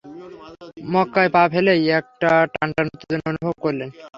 মক্কায় পা ফেলেই একটা টানটান উত্তেজনা অনুভব করলেন।